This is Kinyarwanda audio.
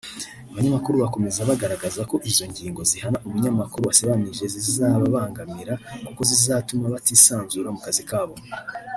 Abanyamakuru bakomeza bagaragaza ko izo ngingo zihana umunyamakuru wasebanije zizababangamira kuko zizatuma batisanzura mu kazi kabo